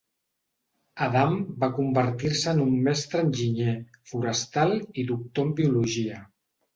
Adam va convertir-se en un mestre enginyer, forestal i doctor en Biologia.